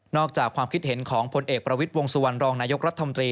อกจากความคิดเห็นของพลเอกประวิทย์วงสุวรรณรองนายกรัฐมนตรี